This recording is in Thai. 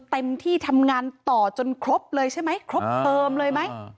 เต็มที่ทำงานต่อจนครบเลยใช่ไหมครบเทอมเลยไหม